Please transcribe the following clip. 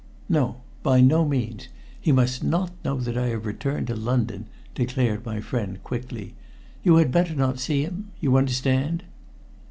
"No; by no means. He must not know that I have returned to London," declared my friend quickly. "You had better not see him you understand."